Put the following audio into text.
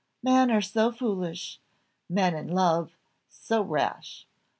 "Men are so foolish; men in love, so rash.